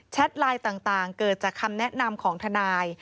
ไลน์ต่างเกิดจากคำแนะนำของทนาย